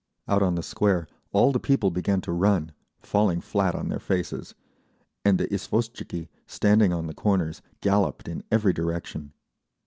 Out on the Square all the people began to run, falling flat on their faces, and the izvoshtchiki, standing on the corners, galloped in every direction.